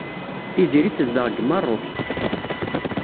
Tiziri tezdeɣ deg Meṛṛuk.